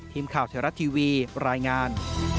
ทีมข่าวไทยรัฐทีวีรายงาน